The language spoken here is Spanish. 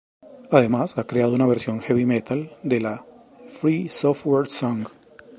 Además, ha creado una versión heavy metal de la "Free Software Song".